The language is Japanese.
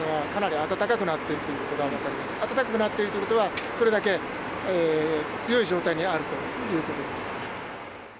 暖かくなってるということは、それだけ強い状態にあるということです。